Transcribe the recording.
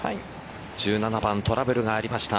１７番トラブルがありました。